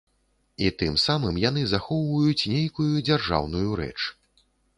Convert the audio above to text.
І тым самым яны захоўваюць нейкую дзяржаўную рэч.